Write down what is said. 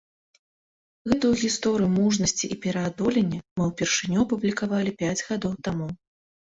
Гэту гісторыю мужнасці і пераадолення мы ўпершыню апублікавалі пяць гадоў таму.